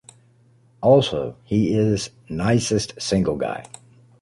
Also he is nicest single guy.